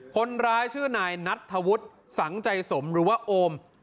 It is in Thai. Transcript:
คนร้ายชื่อนายนัทธวุฒิสังใจสมหรือว่าโอม